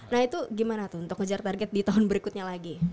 nah itu gimana tuh untuk ngejar target di tahun berikutnya lagi